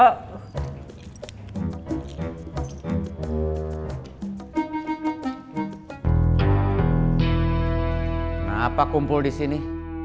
kenapa kumpul di sini